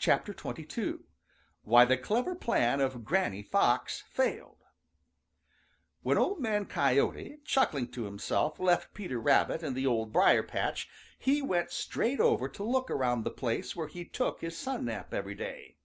XXII. WHY THE CLEVER PLAN OF GRANNY FOX FAILED |WHEN Old Man Coyote, chuckling to himself, left Peter Rabbit and the Old Briar patch, he went straight over to look around the place where he took his sun nap every day.